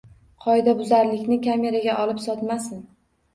Qoidabuzarlikni kameraga olib sotmasin